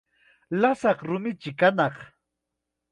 Lasaq rumichi kanaq.